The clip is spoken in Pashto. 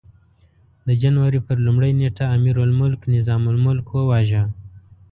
د جنوري پر لومړۍ نېټه امیرالملک نظام الملک وواژه.